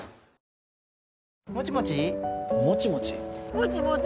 もちもち